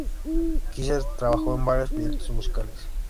Kisser trabajó en varios proyectos musicales.